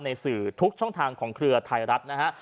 สื่อทุกช่องทางของเครือไทยรัฐนะฮะ